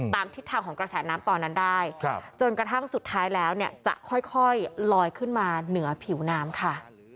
ทิศทางของกระแสน้ำตอนนั้นได้จนกระทั่งสุดท้ายแล้วเนี่ยจะค่อยลอยขึ้นมาเหนือผิวน้ำค่ะ